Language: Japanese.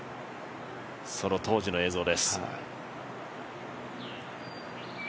その当時の映像です。